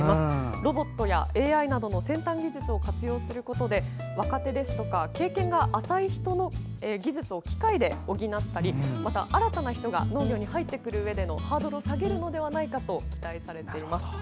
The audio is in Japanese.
ロボットやＡＩなどの先端農業を活用して若手ですとか経験が浅い人の技術を機械で補ったり新たな人が農業に入ってくるうえでのハードルを下げるのではないかと期待されています。